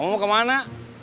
kamu mau kemana